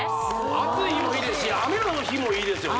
暑い日もいいですし雨の日もいいですよね